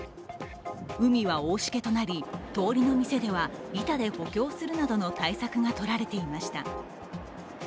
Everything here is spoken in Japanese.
海は大しけとなり、通りの店では板で補強するなどの対策がとられていました。